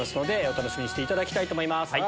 お楽しみにしていただきたいと思います。